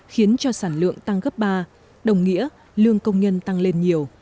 khiến cho sản lượng tăng gấp ba đồng nghĩa lương công nhân tăng lên nhiều